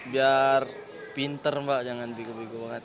biar pinter mbak jangan bigu bigu banget